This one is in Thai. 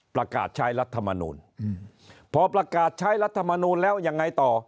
ประกาศใช้รัฐมนูลพอประกาศใช้รัฐมนูลแล้วยังไงต่อ